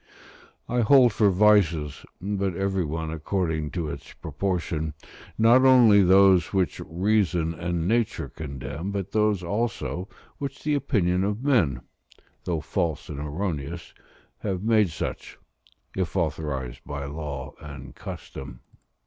I hold for vices (but every one according to its proportion), not only those which reason and nature condemn, but those also which the opinion of men, though false and erroneous, have made such, if authorised by law and custom.